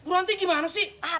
bu ranti gimana sih